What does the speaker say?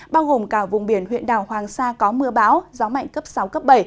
bao gồm cả vùng biển huyện đảo hoàng sa có mưa bão gió mạnh cấp sáu cấp bảy